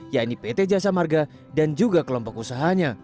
yaitu pt jasa marga dan juga kelompok usahanya